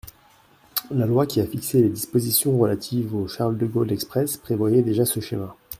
La loi qui a fixé les dispositions relatives au Charles-de-Gaulle Express prévoyait déjà ce schéma.